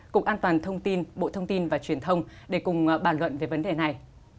cục an toàn thông tin bộ thông tin và truyền thông để cùng bàn luận về vấn đề này